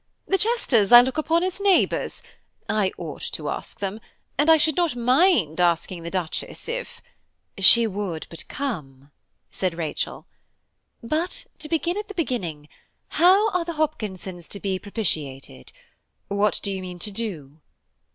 The Chesters I look upon as neighbours–I ought to ask them; and I should not mind asking the Duchess if–" "She would but come," said Rachel, "but to begin at the beginning, how are the Hopkinsons to be propitiated? What do you mean to do?"